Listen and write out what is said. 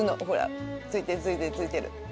ほら付いてる付いてる。